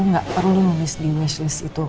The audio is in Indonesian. tapi gak perlu nulis di wishlist itu